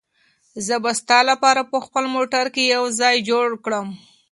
زه به ستا لپاره په خپل موټر کې یو ځای جوړ کړم.